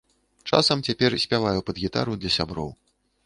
Часам цяпер спяваю пад гітару для сяброў.